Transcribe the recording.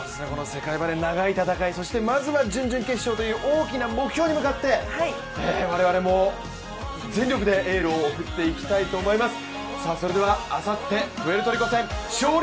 世界バレー長い戦い、まずは準々決勝という大きな目標に向かって我々も全力でエールを送っていきたいと思います。